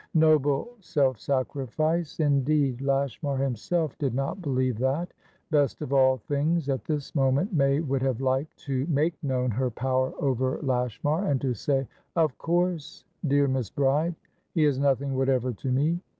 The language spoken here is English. Noble self sacrifice, indeed! Lashmar himself did not believe that. Best of all things, at this moment, May would have liked to make known her power over Lashmar, and to say, "Of course, dear Miss Bride, he is nothing whatever to me.